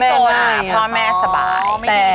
สนพ่อแม่สบาย